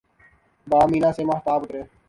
بام مینا سے ماہتاب اترے